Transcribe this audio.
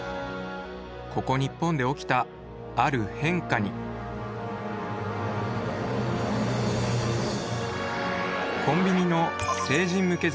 ここ日本で起きたある変化にコンビニの成人向け